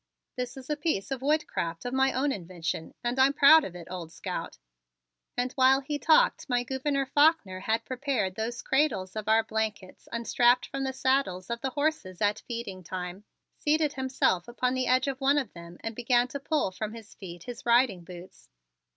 This is a piece of woodcraft of my own invention and I'm proud of it, old scout." And while he talked my Gouverneur Faulkner had prepared those cradles of our blankets unstrapped from the saddles of the horses at feeding time, seated himself upon the edge of one of them and began to pull from his feet his riding boots.